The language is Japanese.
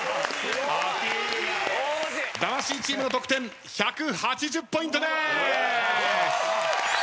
魂チームの得点１８０ポイントです！